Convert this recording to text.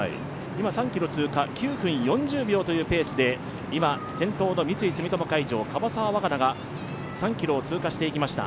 今３ｋｍ通過、９分４０秒のペースで、先頭の三井住友海上、樺沢和佳奈が３ｋｍを通過していきました。